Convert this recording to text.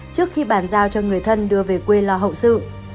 trước khi bàn giao cho người thân đưa về quê lo hậu sự